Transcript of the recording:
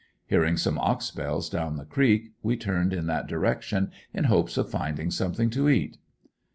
Hearing some ox bells down the creek we turned in that direction, in hopes of finding something to eat.